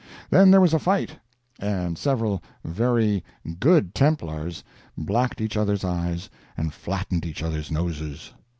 Then there was a fight, and several very Good Templars blacked each other's eyes and flattened each other's noses.